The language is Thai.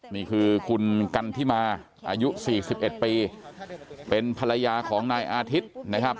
นี่คือคุณกันทิมาอายุ๔๑ปีเป็นภรรยาของนายอาทิตย์นะครับ